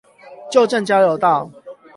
舊正交流道